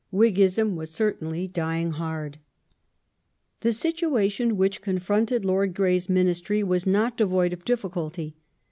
^ Whiggism was certainly dying hard. Social The situation which confronted Lord Grey's Ministry was not devoid of difficulty.